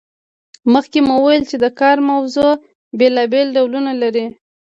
مخکې مو وویل چې د کار موضوع بیلابیل ډولونه لري.